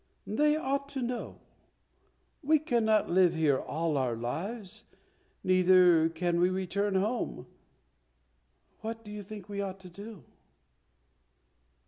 They ought to know. We cannot live here all our lives, neither can we return home; what do you think we ought to do?"